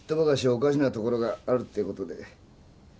おかしなところがあるって事で。